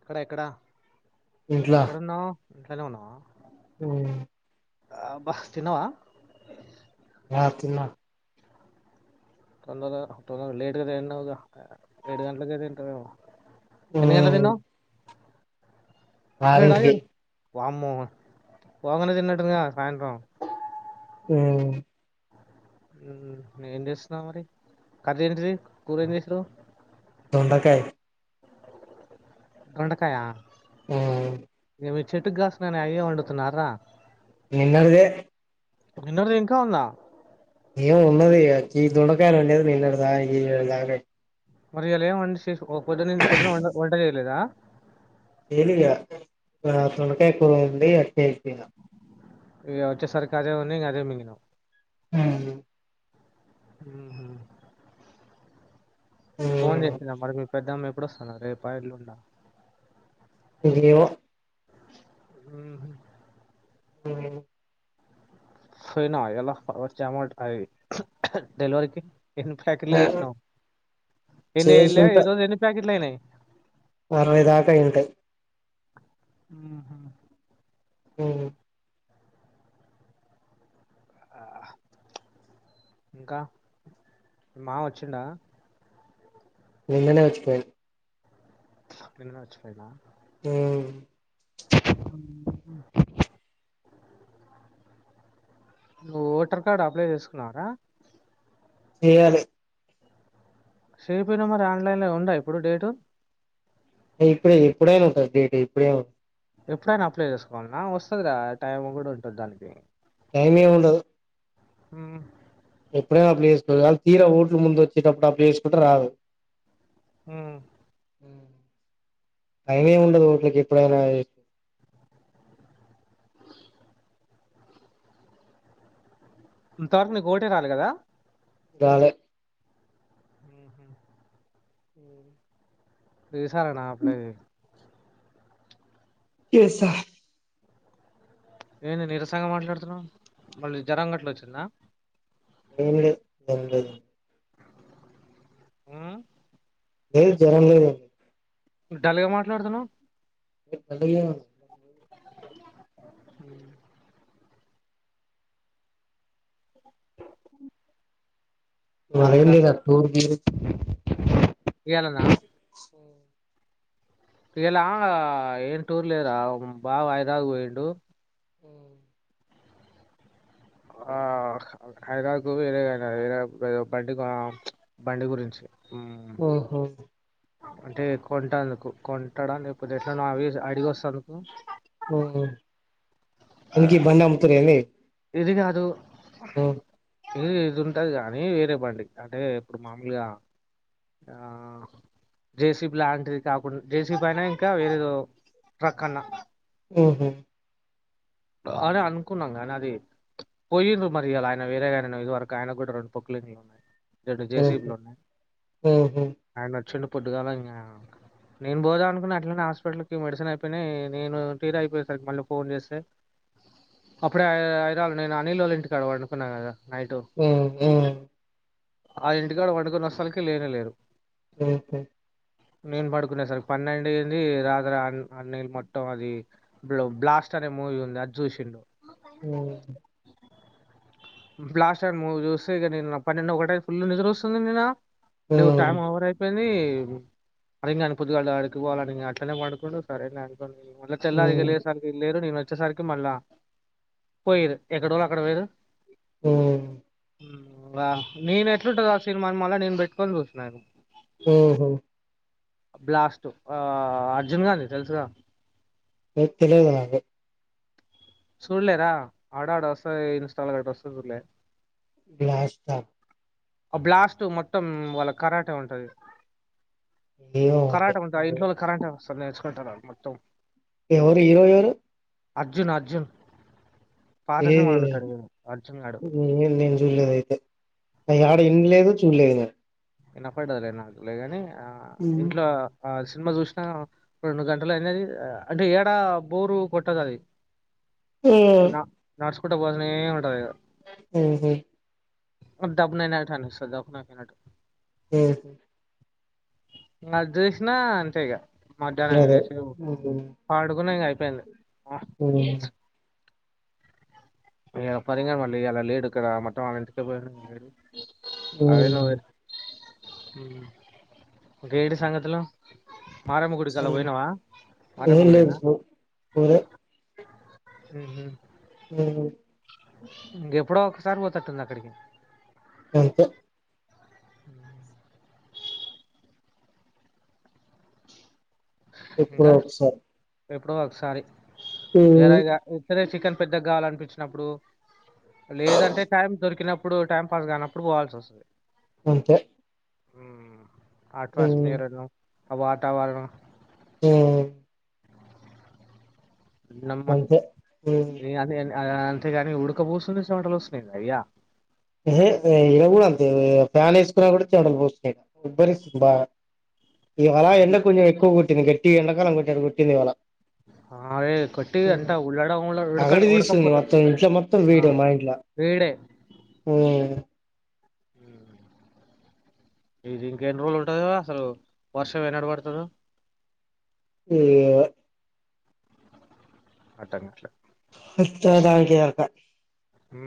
ఎక్కడ ఎక్కడ ఇంట్లో ఎక్కడున్నావు ఇంట్లనే ఉన్నవా. ఉ అబ్బా తిన్నవా? యా తిన్నా. తొందరగా తొందరగా లేట్గా తినవుగా ఏడు గంటలకే తింటవేమో. ఎన్ని గంటలకు ఉమ్ తిన్నవు. ఆరింటికి రాగడు వామ్మో పోంగనే తిన్నట్టుందిగా సాయంత్రం. హ్ నే ఏం చేస్తున్నావు మరి కర్రి ఏంటిది కూర ఏం చేశినవు. దొండకాయ్. దొండకాయా. ఆ మీ చెట్టు గాస్తున్నాయని అయ్యే వండుతున్నారా. నిన్నటిదే. నిన్నటిది ఇంకా ఉందా. ఏమో ఉన్నది ఇగ గీ దొండకాయలు అండింది నిన్నటిదా ఈ రోజుదాక మరి ఇయాలా ఎం వంట చేస్ ఓ పొద్దుంచి పొద్దున వంట వంట చేయలేదా. చేయలే ఇగా ఆ దొండకాయ కూరుంది అట్నే తిన్నా. ఇగ వచ్చేసరికి అదే ఉంది ఇగ అదే మింగినవు. అవును. ఉహ్ ఫోన్ చేసిందా మరి మీ పెద్దమ్మ ఎప్పుడు వస్తున్నది రేపా ఎల్లుండా. ఏమో ఉహ్ ఉ పోయినవా ఇయాలా వచ్చే అమౌంట్ అయి డెలివరికి. ఎన్ని ప్యాకెట్లు చేశినవు ఎన్ని ఎళ్ళాయి చేసుంటా ఈరోజు ఎన్ని ప్యాకెట్లు అయినయి. అరవైదాక అయ్యింటయి. ఉహ్ ఓ ఆ ఇంకా మీ మామ వచ్చిండా? నిన్ననే వచ్చిపోయిండు. నిన్ననే వచ్చిపోయిండా. హ్ అమ్మ్మ్ హ్ నువ్ ఓటర్ కార్డు అప్లై చేసుకున్నారా ఏయాలి శెయ్య పోయినవ్ మర్ ఆన్లైన్ ల ఇగుందా ఇప్పుడు డేటు యేపే ఎప్పుడైనా ఉంటద్ డేట్ ఇప్పుడేమో యెప్పుడైనా అప్లై చేసుకోవాలన్నా వస్తది రా టైం గూడ్ ఉంటద్ దానికి టైమేమ్ ఉండదు హుమ్ ఎప్పుడేనా అప్ల చేసుకోర్ గాన్ తీర ఓట్లు ముంద్ ఒచ్చేటప్పుడ్ అప్లై చేసుకుంటే రాదు హూ ఉ టైమేం ఉండదు ఓట్లక్ ఎప్పుడైనా ఎ ఇంతవరక్ నీక్ ఓటే రాలె గదా రాలె ఆ హ ఉ విసారేనా అప్లది ఎస్సా ఏంది నిరసంగ మాట్లాడుతున్నవ్ మళ్ళీ జరం గట్లోచ్చిందా అదేం లేద్ దెం లేదు అ లేద్ జరం లేదు డల్లుగ మాట్లాడుతుాన్నావు రెప్ పొద్దున్ లేవాలె హు [unintelligible] మరేం ఇంకా లేద్ అక్కో దియే ఇయాలనా శె ఫెలా ఏం టూర్ లేదరా ఒక్ బావాహైద్రావాద్ వోయిండు ఉ ఆ హైదరవాద్ కు వేరే ఏన ఏరే బె బండికా బండి గురించి మ్మ్. ఓహో అంటే కొంటందుకు కొంటడ లేక్ పోతే ఎట్ల నో అవేస్ అడిగొస్తాందుకు ఓ ఎనికి ఈ బండ్ అమ్ముతుర్ ఏంది ఇది కాదు అ ఇది ఇద్ ఉంటది గానీ వేరే బండి అంటే ఇప్పుడు మామూలుగా జ ఆ జేసీబ్ లాంటిది కాకున్ జేసీబయినా ఇంకా వేరేదో ట్రక్ అన్నా ఓహో ఆని అనుకున్నాం గానది పోయ్యిను మరియాల ఆయన వేరేగన ఇది వరక్ ఆయన గ్గూడా రెండ్ పొకులింగ్ లున్నయ్ రెండు ఉహు జేసీబీలున్నయ్ ఉహు ఆయనొచ్చిండు పొద్దుగాలింగా నేను పోదా అనుకు అట్లానే హాస్పిటల్కి మెడిసిన్ అయిపోయినాయి నేను తీర అయిపోయే సరికి మళ్ళీ ఫోన్ చేస్తే. అప్పుడే ఐదుళ్ళ నేను అనిల్ వాళ ఇంటి కడ అనుకున్నాను కదా నైట్. ఊ ఉ. ఆ ఇంటికాడ వండుకొని వస్తలకి లేనే లేరు. ఉహు నేను పడుకునే సరికి పన్నెండు ఏంది రాత్ర అన్నీళ్ళు మొట్టం అది. ఇప్పుడు బ్లాస్ట్ అనే మూవీ ఉంది అది చూసిండు. బ్లాస్ట్ టైం మూవ్ చూస్తేన్న పన్నెండు ఒకట ఫుల్ నిద్ర వస్తుంది ని లేవు టైమ్ఓవర్ అయితే. ని అడిగ కాని పొద్దుగాళ్ళ అడికిపోవాలని అట్నే పడుకుండా సరే కాని. మళ్ళ తెల్లారి ఉ లేసరికి లేరు నేను వచ్చేసరికి. మల్లా పైరు ఎకడ వాళ అక్కడ వైరు. ఆ నేను ఎట్లుంటుంది ఆ సినిమాని మళ్ళ నేను పెట్టుకని చూస్తున్న. ఉహా. బ్లాస్ట్ ఆ అర్జున్ గాండి తెలుసుగా. ఎ తెలీదు నాకు. సుడలే రా ఆడ ఆడ వస్త ఇన్స్టాల్ గ వస్తా చూడలే. గ్లాస్ట. ఆ బ్లాస్ట్ మొత్తం వాళ్ళ కరాట ఉంటది ఏమో కరాట ఉం. మరి ఇంట్లో కరాటే వస్తారని నేర్చుకుంటారు మొత్తం. ఎవరు హీరో ఎవరు. అర్జున్ అర్జున్ పాత ఏది సినిమాల్లో ఉంటాడు చూడు అర్జున్ గడు. నేను చూడలేదు అయితే అ ఆడ ఎంలేదు చూడలేదు నేను. ఈనన్నప్పడదులే నాకు లే ని ఆ ఉమ్ ఇంట్లో ఆ సినిమా చూసినా. రెండు గంటలు అయినది అంటే ఏడా బోరు కొట్టదు అది. తునా నడుచుకుంటా పోతానే ఉంటాది ఇంకా. ఉహ. బ్ నైనాానిస్త దకు నా క [unintelligible] హ. ఇంకా అది చేసినా అంతే ఇక మధ్యాహ్నం అదే చేసి ఉమ్ పాడుకున్న ఇంక అయిపోయింది. ఆ, ఉ. లా పరి కా మళ్ళీ ఇలా లేడు ఇక్కడ మొత్తం వాళ్ ఇంటిక పోయి లేడు అవే నువ్వు. ఉమ్ ఇంకా ఏంటి సంగతులు. మారమ్మ గుడికిలా పోయినావా మారమ్మ ఏం లేదు గుడేనా. బ్రో ఊరే హ ఉ. ఇంకెప్పుడో ఒకసారి పోతట్టుంది అక్కడికి. అంతే. హ ఎప్పుడో ఇంకా ఒకసారి ఎప్పుడో ఒకసారి. హ. సరేగా ఉత్తదే చికెన్ పెద్దగా కావాలనిపించినప్పుడు లేదంటే టైం దొరికినప్. ఇప్పుడు టైం పాస్ కానప్పుడు పోవాల్సి వస్తుంది. అంతే. ఉమ్ అట్మాస్పియరును ఆ వాతావరణం. హ దీనమ్మ అంతే ఉమ్ అంతేగాని ఉడకపోస్తుంది సమటలు వస్తున్నాయి అయ్యా ఏ వె ఇలా కూడా అంతే ఫ్యాన్ వేసుకున్నా కూడా చెమటలు పోస్తున్నాయి. ఉబ్బరిస్తుబా ఇవాలా ఎండ కొంచెం ఎక్కువ కుట్టింది గట్టిగా ఎండకాలం కొట్టింది ఇవాళ అ ఏ కొట్టి అంట ఉళడం ఉల ఉడక అగడి తీస్తుంది ఉడకపోతా మొత్తం ఇంట్లో మొత్తం ఆ వీడే ఉ ఉ ఇది ఇంక ఎన్ని రోజులు ఉంటుంద అసలు వర్షం ఎనడ పడుతదో అయ్యో అట్టంగాట్లా వచ్చే దానికి యొక్క ఊ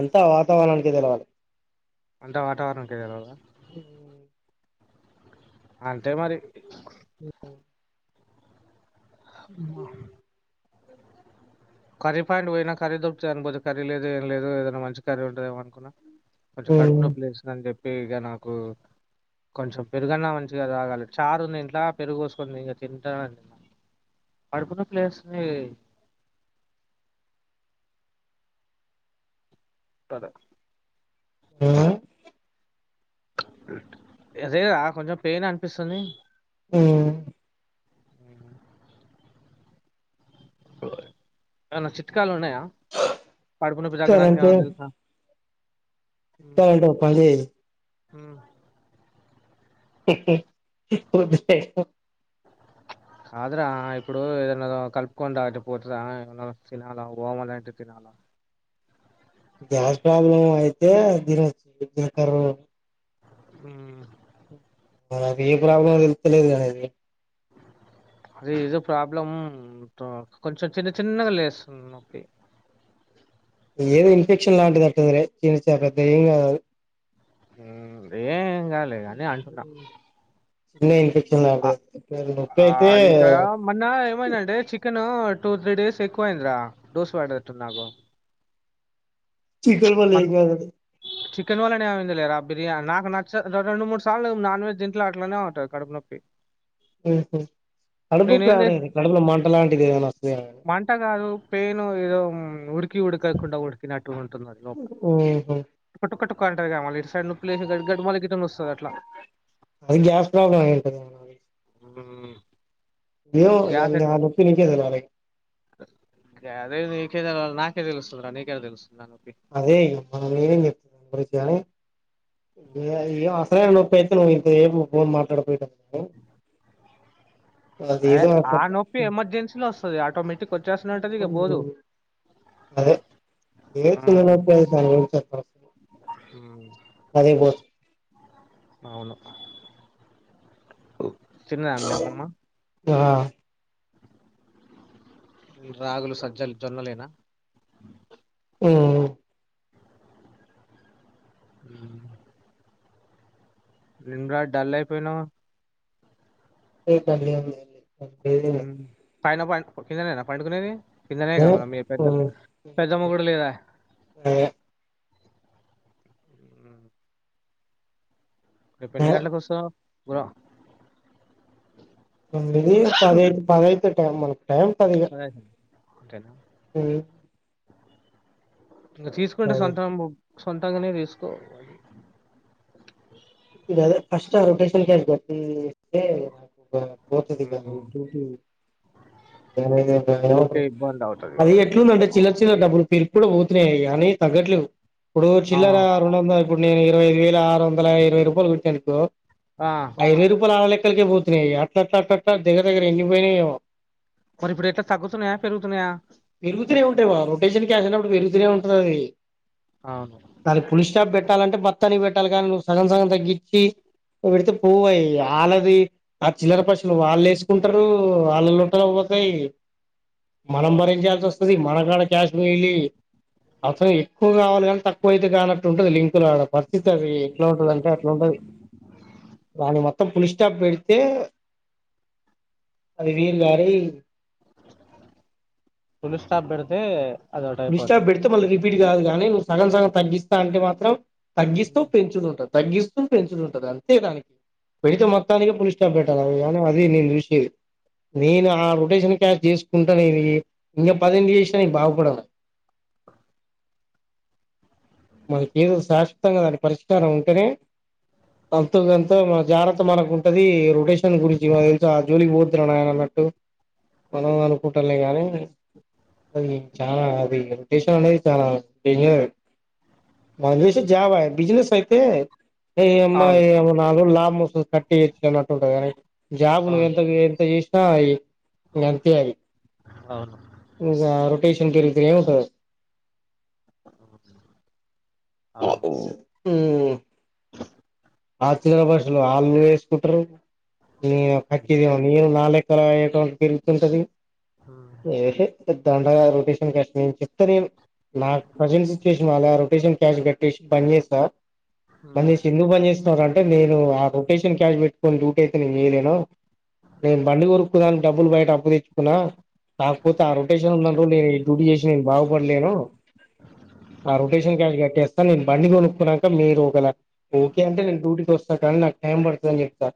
అంతా వాతావరణానికి తెలవాలి అంటా వాతావరణం కే తెల్వద ఉ అంటే మరి ఉ ఉ అమ్మో కర్రీ పాయింట్ పోయినా కర్రీ దొరుకుతాది అనిపోతే కరీ లేదు ఏం లేదు ఏదైనా మంచి కర్రీ ఉంటాది ఏమో అనుకున్నా. కొంచెం కడుపు ఉమ్ నొప్పి లేస్తుందని చెప్పి ఇగ నాకు కొంచెం పెరుగన్నా మంచిగా తాగాలి చారు ఉంది ఇంట్లా పెరుగోసుకుంది ఇంకా తింటా పడుకున్న ప్లేస్ ని గద ఆ అదే రా కొంచెం పెయిన్ అనిపిస్తుంది. హు ఏమన్నా చిట్కాలు ఉన్నాయా, కడుపునొప్పి తగ్గడానికి ఇస్తానంటే ఏమన్నా తెలుసా? హ ఇస్తానంటే ఒక పని చేయి ఉ హ్హ్ కొద్దిసేపు కాదరా ఇప్పుడు ఏదనా కలుపుకొని తాగుతే పోతుందా ఏమన్న తినాలా, గోమలాంటివి తినాలా? గ్యాస్ ప్రాబ్లం అయితే తినొచ్చు దినకారు హ మరి అది ఏ ప్రాబ్లమ్ తెలుత్త లేదు కదా అది అది ఏదో ప్రాబ్లం తో కొంచెం చిన్న చిన్నగా లేస్తుంది నొప్పి ఏదో ఇన్ఫెక్షన్ లాంటిది అంటది రే చని చే పెద్ద ఏం కాదు మ్ రేయ్ ఏం కాదులే కానీ అంటున్న చిన్న ఇన్ఫెక్షన్ అంతే నొప్పి ఆ అయితే ఇక మొన్న ఏమైందండి చికెన్ టూ త్రీ డేస్ ఎక్కువైంది రా దోస పడదట్టు నాకు చికెన్ వల్ల మన ఏమి కాదు అది చికెన్ వల్లనే అయింది లేరా ఆ బిర్యానీ నాకు నచ్చ రెండు మూడు సార్లు నాన్ వెజ్ దింట్లో అట్లానే ఉంటాది కడుపు నొప్పి. ఉహు కడుపునొప్పి నేనేం చేసి స్టార్టయింది కడుపులో మంట లాంటిది ఏమైనా వస్తుంద మంట కాదు పెయిను ఏదో ఉడికి ఉడకకుండా ఉడికినట్టు ఉంటుంది అది లోపల ఊహు ఒక్కొక్కటి ఉంటాది కదా మళ్లీ ఇటు సైడ్ నొప్పి గడిమళగి వస్తది అట్లా అది గ్యాస్ ప్రాబ్లం అయింటది ఉ ఏమో ఇగ ఆ నొప్పి నీకే తెలియాలి గదే నీకెలా తెలియదు నాకే తెలియాలి నీకెలా తెలుస్తుంది నొప్పి అదే ఏమేమి చెప్పు తున్నాను వస్తనే ఉన్నాయి ఇంత ఏమి ఫోన్ మాట్లాడపోయ అది ఏదో అట్లా ఆ నొప్పి ఎమర్జెన్సలో వస్తది టోమటిక్ వచ్చేస్తూనే ఉంటది ఈగ పోదు అదే ఏ చిన్న నొప్పి ఉ అదే పోతది అవును తిన్నదా మీ అమ్మమ్మ ఆ రాగులు సజ్జలు జొన్నలేనా ఉ ఉ ఏం రా డల్ అయిపోయిన్ లేదా అండి పైనా పడుకు కిందన పడుకునేది కిందనే అదే కదా మీ బెడ్ పెద్దమ్ ముగగుడు లేదా ఏ ఉమ్. రేపు ఎన్ని అదే గంటలకు వస్తావు బ్రో తోమీదీ పది పదయితే టైమ్ మనకి టైం పది అంటే అంతేనా ఉ ఇంకా తీసుకుంటే సొంత సొంతంగానే తీసుకో అదే ఫస్ట్ ఆ రొటేషన్ కజ్ కొట్టి నాకు పోతాదికా ఉహు ఊకే ఉ ఇబ్బంది అవుతది ఇగ అది మనకి ఎట్లుంది అంటే చిల్లర చిల్లర డబ్బులు ఎప్పుడు కూడా పోతున్నాయి కని తగ్గట్లేదు ఇప్పుడు ఆ చిల్లర ఇప్పుడు నేను ఇరవ ఐదు వే ఆరు వందల ఇరవై రూపాయలు కొట్టిన అనుకో ఆ ఐదు వేలు రూపాయలు ఆ లెక్కలక పోతున్నాయి అట్లా అట్లాట్ల దగ్గర దగ్గర ఎన్నిపోయినాయో మరి ఇప్పుడు ఎట్లా తగ్గుతున్నాయా పెరుగుతున్నాయా పెరుగుతూనే ఉంటాయి బావ రొటేషన్ క్యాసినప్పుడు పెరుగుతూనే ఉంటుంది అది అవును దానికి పులిస్స్టాప్ పెట్టాలంటే బత్తాన్ని పెట్టాలి కానీ నువ్వు సగ సగం తగ్గిచ్చి అట్ల పెడితే పోవు అవి ఆళ్లది ఆ చిల్లర పైసలు వాళ్ళు వేసుకుంటారు వాళ్ళల్లోంటారు పోతాయి మనం భరించాల్సి వస్తుంది మనకాడ క్యాష్ మిగిలి అసలు ఎక్కువ కావాలి కానీ తక్కువ అయితే కానట్టు ఉంటుది లింకులు ఆడ పరిస్థితి అది ఎట్లా ఉంటుంది అంటే ఉండదు దాని మొత్తం పులిస్ స్టాప్ పెడితే అది వీరుగారి పులి స్టాప్ బెడితే పులి స్టాప్ పెడితే మళ్ళీ రిపీట్ కాదు కానీ నువ్వు సగం సగం తగ్గిస్తా అంటే మాత్రం తగ్గిస్తూ పెంచుతుంటది తగ్గిస్తూ పెంచుతుంటది అంతే గాని పెడితే మొత్తానికి పులిస్టాప్ పెట్టాలా అవి యాదో నేను చూసి నేను ఆ రొటేషన్ క్యాస్ చేసుకుంటా అనేదీ ఇంకా పదేళ్లు చేసిన నేను బాగుపడను. మనకి ఏదో శాశ్వతంగా దాని పరిష్కారం ఉంటెనే అంతో కొంతా జాగ్రత్త మనకు ఉంటదీ రొటేషనల్ గురించి వాళ్లంతా జోలికి పోద్దు నాన్న అన్నట్టు ట్టు మనం అనుకుంటలే గానీ అది చాలా అది రొటేషన్ అనేది చాలా డేంజర్ అది నాకు తెలిసి జావ బిజినస్ అయితే ఏమ్మా అవు యావ నాలుగు రోజులు లాభం వస్సుది కట్టి ఎత్తుకన్న పోతా గాని జాబు నువ్వు అవును ఎంత ఏంత చేస్నా అయి ఇంగ అంతే అయి అవును అవును ఇంగా రొటేషన్ కెల్తునే ఉంటా పరమ బిల్దులోనికి నాకూ ఊ ఆ చీరల వరుసని వాళ్లే ఏసుకుంటరూ ఇగ కట్టేది వాల్ మీరు మా లెక్కలా బయట పెరుగుతుంటదీ ఉమ్. ఏహె పద్దాన్ నా రొటేషన్ దాని గురించి చెప్తరే నా కజిన్స్ కి ఉ అలా రొటేషన్ క్యాష్ కట్టేసి పని చేస్తా పన్ ఉమ్ చేసి ఎందుకు పన్ చేస్ ఇంత కంటే నేనూ ఆ రొటేషన్ క్యాష్ పెట్కొని డూటీ అయితే నేను చెయ్లేనా నేను బండి కొనుక్కోగల్ను డబ్బులు బయట అప్పు తెచ్చుకునా కాక్పోతే ఆ రొటేషన్ ఉన్నన్ రోజులు నే డ్యూటీ చేసినా బాగ్ వద్లైనూ ఆ రొటేషన్ క్యాష్ కట్టేస్త నేన్ బండి కొనుక్కునాక మీరు ఒకలా ఓకే అంటే నేను డ్యూటీకి వస్తా కానీ నాకు టైం పడతదని చెప్తా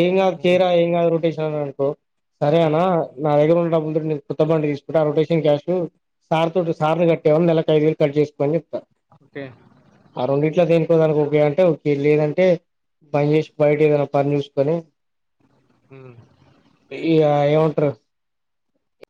ఏం కాదు చేరా ఏం కాదు రొటేష్ త ననుకో సరే ఉమ్ అనా నా దగ్గర ఉన్న డబ్బుల్ తో నీది కొత్త బండి తీసుకుంటా ఆ రొటేషన్ క్యాషు సార్ తోటి సార్ని కట్టేయమను నెలకు ఐదు వేలు కట్ చేసుకోని ఒకే ఆ రొండిట్లో దేనికోదానికి ఒప్పీ అంటే ఒకే లేదంటే పని చేసి బయట ఏదైనా పని చూసుకొని మ్ ఇ యా ఏమంటరు